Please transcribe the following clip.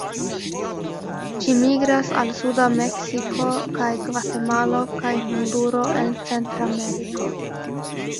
Ĝi migras al suda Meksiko kaj Gvatemalo kaj Honduro en Centrameriko.